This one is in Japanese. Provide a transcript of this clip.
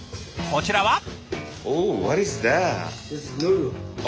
こちらは？